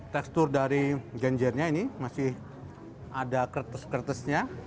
tekstur dari genjernya ini masih ada kertes kertesnya